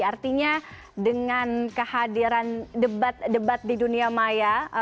artinya dengan kehadiran debat debat di dunia maya